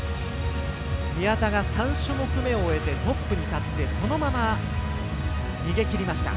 宮田が３種目めを終えてトップに立ってそのまま逃げきりました。